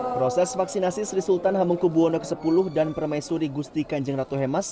proses vaksinasi sri sultan hamengkubwono x dan permaisuri gusti kanjeng ratu hemas